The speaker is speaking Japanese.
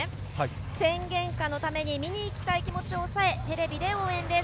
宣言下のために見に行きたい気持ちを抑えテレビで応援です。